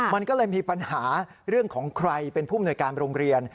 มันก็เลยมีปัญหาเรื่องของใครเป็นผู้มนวยการโรงเรียน